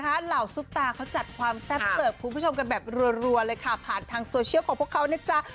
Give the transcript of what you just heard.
เหล่าซุปตาเขาจัดความแซ่บเสิร์ฟคุณผู้ชมกันแบบรัวเลยค่ะผ่านทางโซเชียลของพวกเขานะจ๊ะ